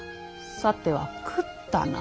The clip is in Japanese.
さては食ったな。